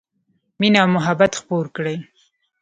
مینه او محبت خپور کړئ